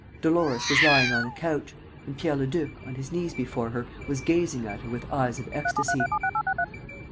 Dolores was lying on a couch; and Pierre Leduc, on his knees before her, was gazing at her with eyes of ecstasy.